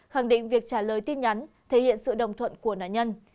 khẳng định việc trả lời tin nhắn thể hiện sự đồng thuận của nạn nhân